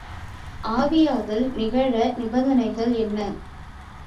ஆவியாதல் நிகழ நிபந்தனைகள் என்ன?